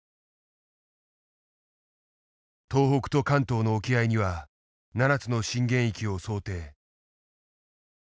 東北と関東の沖合には７つの震源域を想定。